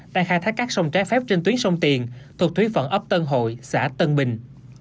đang khai thác các sông trái phép trên tuyến sông tiền thuộc thúy phận ấp tân hội xã tân bình